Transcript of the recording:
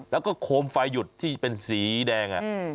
แล้วก็โคมไฟหยุดที่เป็นสีแดง